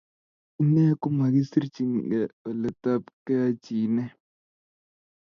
Ine ko makisirchinigei oletai keyachine